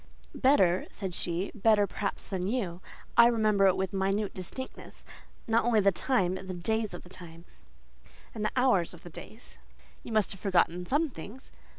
"Better," said she, "better, perhaps, than you. I remember it with minute distinctness: not only the time, but the days of the time, and the hours of the days." "You must have forgotten some things?"